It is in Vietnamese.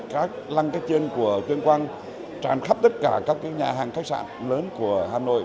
các lăng cách chuyên của tuyên quang tràn khắp tất cả các nhà hàng khách sạn lớn của hà nội